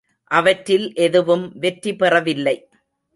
அவற்றில் எதுவும் வெற்றி பெறவில்லை.